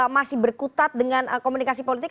masih berkutat dengan komunikasi politik